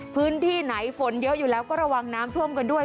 พื้นที่ไหนฝนเยอะอยู่แล้วก็ระวังน้ำท่วมกันด้วย